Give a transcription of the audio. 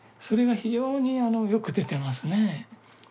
それが非常にあのよく出てますね。